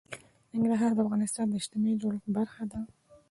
ننګرهار د افغانستان د اجتماعي جوړښت برخه ده.